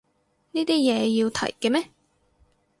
呢啲嘢要提嘅咩